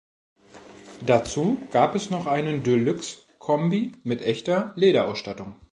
Dazu gab es noch einen Deluxe-Kombi mit echter Lederausstattung.